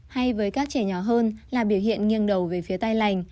hay với các trẻ nhỏ hơn là biểu hiện nghiêng đầu về phía tai lành